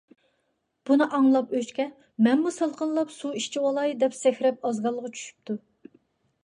بۇنى ئاڭلاپ ئۆچكە: «مەنمۇ سالقىنلاپ، سۇ ئىچىۋالاي» دەپ سەكرەپ ئازگالغا چۈشۈپتۇ.